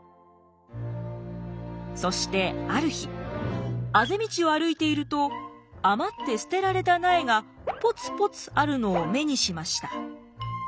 そしてある日あぜ道を歩いていると余って捨てられた苗がぽつぽつあるのを目にしました。